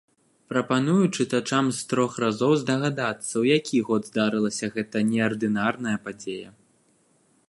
Прапаную чытачам з трох разоў здагадацца, у які год здарылася гэта неардынарная падзея.